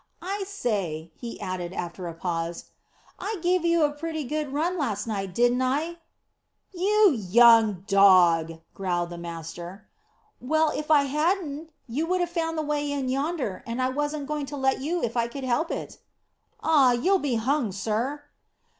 "I say," he added, after a pause, "I give you a pretty good run last night, didn't I?" "You young dog!" growled the master. "Well, if I hadn't, you'd have found the way in yonder, and I wasn't going to let you if I could help it." "Ah, you'll be hung, sir."